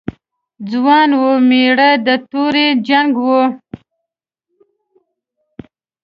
ځوان و، مېړه د تورې جنګ و.